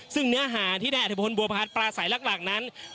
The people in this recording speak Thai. ซึ่งเนื้อหาที่นายอัธพลบัวพัฒน์ปลาใสหลักนั้น